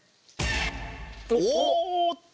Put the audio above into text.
おーっと